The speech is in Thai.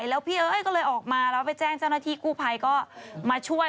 แล้วไปแจ้งเจ้าหน้าที่กู้ภัยก็มาช่วย